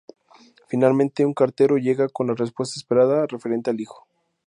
Finalmente, un cartero llega con la respuesta esperada referente al hijo.